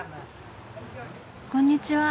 こんにちは。